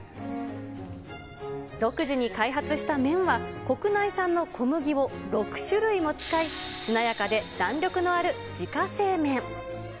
独自に開発した麺は、国内産の小麦を６種類も使い、しなやかで弾力のある自家製麺。